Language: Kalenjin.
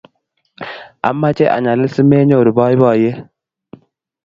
Amache anyalil simenyoru boiboiyet